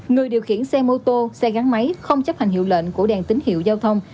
người điều khiển xe mô tô xe gắn máy không chấp hành hiệu lệnh của đèn tín hiệu giao thông